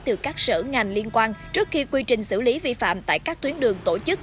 từ các sở ngành liên quan trước khi quy trình xử lý vi phạm tại các tuyến đường tổ chức